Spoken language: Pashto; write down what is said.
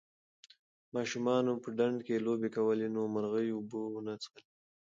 ماشومانو په ډنډ کې لوبې کولې نو مرغۍ اوبه ونه څښلې.